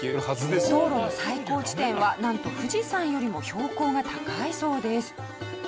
道路の最高地点はなんと富士山よりも標高が高いそうです。